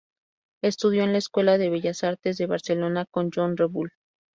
Estudió en la Escuela de Bellas Artes de Barcelona con Joan Rebull.